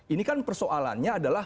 ini kan persoalannya adalah